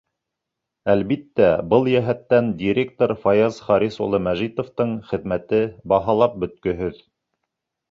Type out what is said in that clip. Әлбиттә, был йәһәттән директор Фаяз Харис улы Мәжитовтың хеҙмәте баһалап бөткөһөҙ.